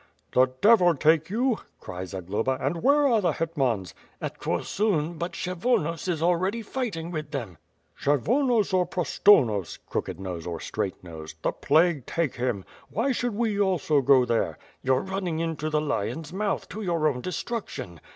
"The devil take you!" cried Zagloba, "and where are the hetmans?" "At Korsun, buit Kshevonos is already fighting with them." "Kshevonos or Prostonos (crooked nose or straight nose) the plague take him? Why should we also go there?" 'TTou're running into the lion's mouth; to your own de struction."